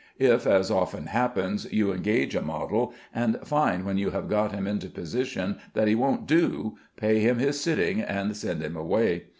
If, as often happens, you engage a model, and find when you have got him into position that he won't do, pay him his sitting and send him away.